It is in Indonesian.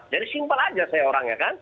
jadi simpel saja saya orangnya kan